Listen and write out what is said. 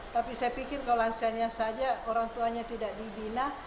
tapi saya pikir kalau lansianya saja orang tuanya tidak dibina